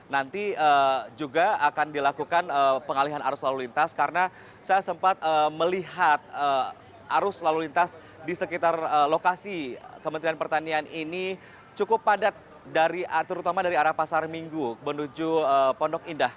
nanti juga akan dilakukan pengalihan arus lalu lintas karena saya sempat melihat arus lalu lintas di sekitar lokasi kementerian pertanian ini cukup padat terutama dari arah pasar minggu menuju pondok indah